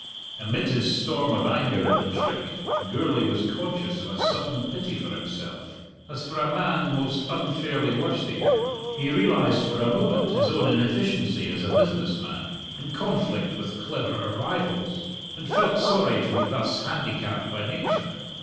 Amid his storm of anger at the trick, Gourlay was conscious of a sudden pity for himself, as for a man most unfairly worsted. He realized for a moment his own inefficiency as a business man, in conflict with cleverer rivals, and felt sorry to be thus handicapped by nature.